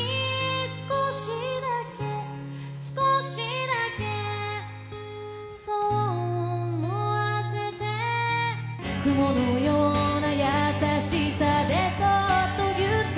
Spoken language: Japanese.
「少しだけ少しだけそう思わせて」「雲のような優しさでそっとぎゅっと」